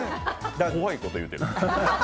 怖いこと言うてる。